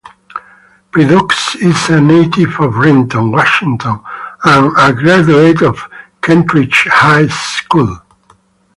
Prideaux is a native of Renton, Washington and a graduate of Kentridge High School.